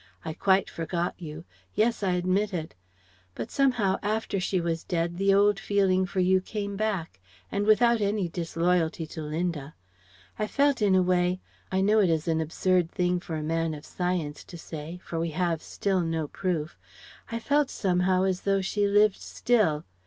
I quite forgot you. Yes: I admit it.... "But somehow, after she was dead the old feeling for you came back ... and without any disloyalty to Linda. I felt in a way I know it is an absurd thing for a man of science to say, for we have still no proof I felt somehow as though she lived still.